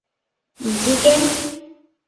唔知驚？